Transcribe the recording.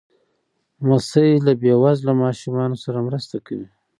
لمسی له بې وزله ماشومانو سره مرسته کوي.